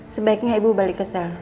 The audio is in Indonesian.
sebaiknya ibu balik ke sel